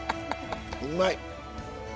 うまい。